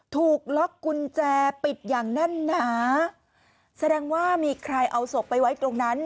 ถูกล็อกกุญแจปิดอย่างแน่นหนาแสดงว่ามีใครเอาศพไปไว้ตรงนั้น